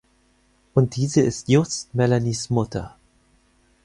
Und diese ist just Melanies Mutter.